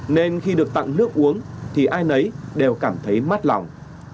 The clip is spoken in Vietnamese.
nên khi được tặng nước uống thì ai nấy đều cảm thấy mát lòng